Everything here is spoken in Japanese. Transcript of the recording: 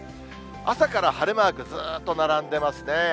朝から晴れマーク、ずっと並んでますね。